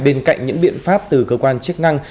bên cạnh những biện pháp từ cơ quan chức năng